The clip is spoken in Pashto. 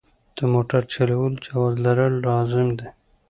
د موټر چلولو جواز لرل لازم دي.